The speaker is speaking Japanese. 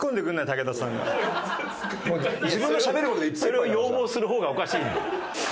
それを要望する方がおかしいんだよ。